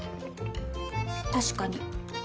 確かに。